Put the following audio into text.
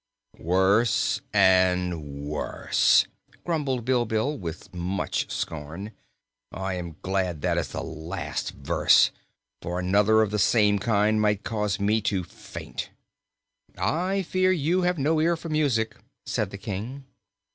"Worse and worse!" grumbled Bilbil, with much scorn. "I am glad that is the last verse, for another of the same kind might cause me to faint." "I fear you have no ear for music," said the King.